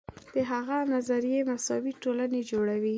د هغه نظریې مساوي ټولنې جوړې کړې.